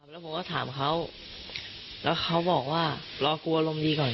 แล้วผมก็ถามเขาแล้วเขาบอกว่ารอกลัวอารมณ์ดีก่อน